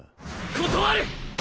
断る！